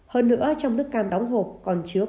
hơn nữa trong nước cam đóng hộp còn chứa